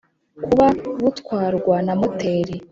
kuba butwarwa na moteri